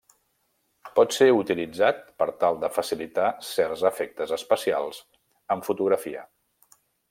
Pot ser utilitzat per tal de facilitar certs efectes especials en fotografia.